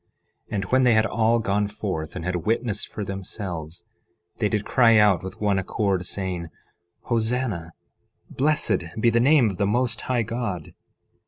11:16 And when they had all gone forth and had witnessed for themselves, they did cry out with one accord, saying: 11:17 Hosanna! Blessed be the name of the Most High God!